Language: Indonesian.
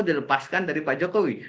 dilepaskan dari pak jokowi